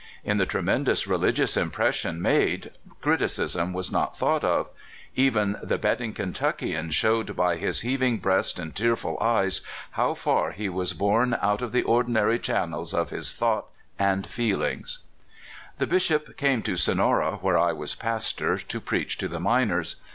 In the tremendous religious impression made, criticism was not thought of. Even the betting Kentuck ian showed by his heaving breast and tearful eyes how far he was borne out of the ordinary channels of his thought and feeling. The Bishop came to Sonora, where I was pastor, to preach to the miners.